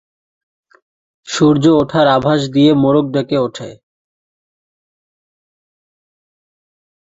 সূর্য ওঠার আভাস দিয়ে মোরগ ডেকে ওঠে।